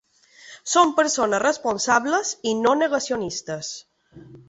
Som persones responsables i no negacionistes.